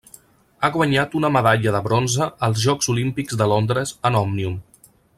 Ha guanyat una medalla de bronze als Jocs Olímpics de Londres en Òmnium.